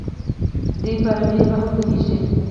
دوی په عربي ژبه هم پوهېږي.